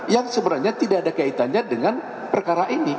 yang sebenarnya tidak ada kaitannya dengan perkara ini